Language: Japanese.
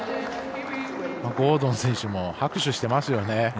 ゴードン選手も拍手していますよね。